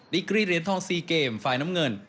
กรีเหรียญทอง๔เกมฝ่ายน้ำเงิน